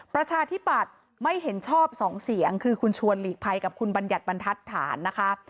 ประชาธิปัตย์ไม่เห็นชอบ๒เสียงคือคุณชวนหลีกภัยกับคุณบัญญัติบรรทัศน์นะคะ